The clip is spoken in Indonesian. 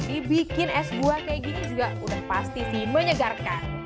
dibikin es buah kayak gini juga udah pasti sih menyegarkan